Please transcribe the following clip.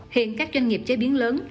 hiện các doanh nghiệp chế biến lớn